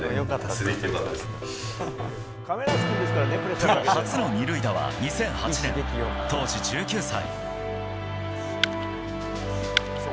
プロ初の二塁打は２００８年、当時１９歳。